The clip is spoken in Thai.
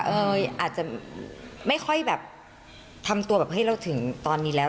อาจจะไม่ค่อยแบบทำตัวแบบเฮ้ยเราถึงตอนนี้แล้ว